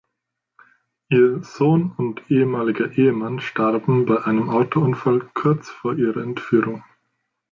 Ihr Sohn und ehemaliger Ehemann starben bei einem Autounfall kurz vor ihrer Entführung.